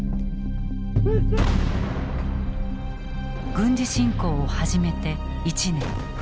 軍事侵攻を始めて１年。